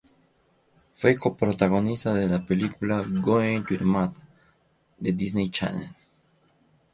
Fue coprotagonista en la película "Going to the Mat", de Disney Channel.